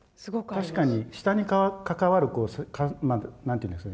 確かに舌に関わる何ていうんですかね